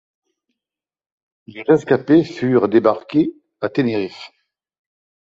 Les rescapés furent débarqués à Tenerife.